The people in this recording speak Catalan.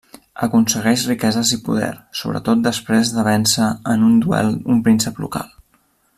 Aconsegueix riqueses i poder, sobretot després de vèncer en un duel un príncep local.